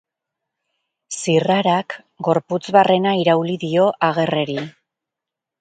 Zirrarak gorputz barrena irauli dio Agerreri.